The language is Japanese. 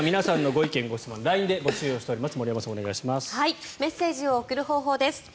このコーナー皆さんのご意見・ご質問をＬＩＮＥで募集しております。